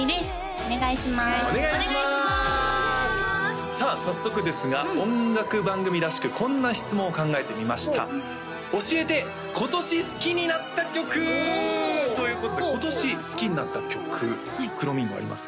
お願いしますさあ早速ですが音楽番組らしくこんな質問を考えてみました「教えて今年好きになった曲」！ということで今年好きになった曲くろみんごあります？